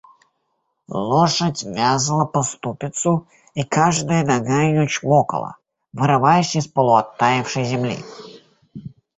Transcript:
Лошадь вязла по ступицу, и каждая нога ее чмокала, вырываясь из полуоттаявшей земли.